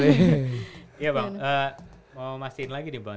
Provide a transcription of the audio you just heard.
iya bang mau masukin lagi nih bang